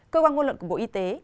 cơ quan ngôn luận của bộ y tế